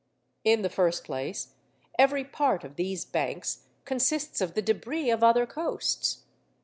In the first place, every part of these banks consists of the debris of other coasts.